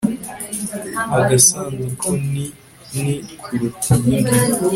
agasanduku nini kuruta iyi